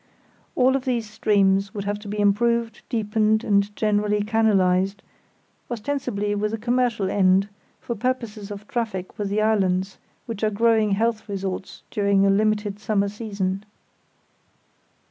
All of these streams would have to be improved, deepened, and generally canalised; ostensibly with a commercial end, for purposes of traffic with the islands, which are growing health resorts during a limited summer season.